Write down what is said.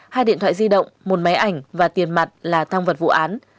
hai điện thoại di động một máy ảnh và tiền mặt là tăng vật vụ án